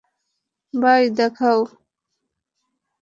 By, দেখাও।